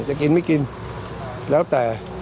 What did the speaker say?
จะกินไม่กินแล้วแต่